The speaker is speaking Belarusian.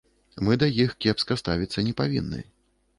Мы да іх кепска ставіцца не павінны.